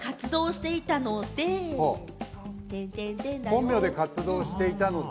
本名で活動していたので。